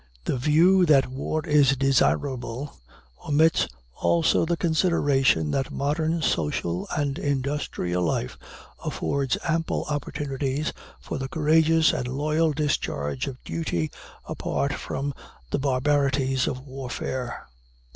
The view that war is desirable omits also the consideration that modern social and industrial life affords ample opportunities for the courageous and loyal discharge of duty, apart from the barbarities of warfare.